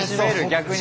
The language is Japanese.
逆に。